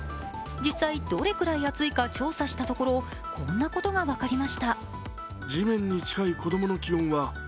実際どれくらい暑いか調査したところこんなことが分かりました。